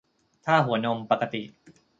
ถ้าหัวนมปกติ